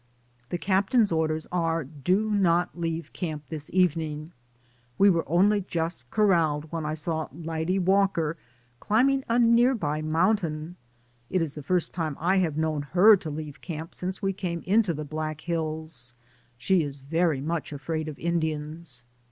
The captain's orders are, "Do not leave camp this evening." We were only just cor ralled when I saw Lyde Walker climbing a 144 DAYS ON THE ROAD. near by mountain. It is the first time I have known her to leave camp since we came into the Black Hills; she is very much afraid of Indians.